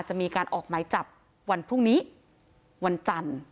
จะมีการออกหมายจับวันพรุ่งนี้วันจันทร์